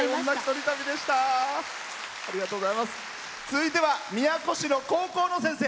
続いては宮古市の高校の先生。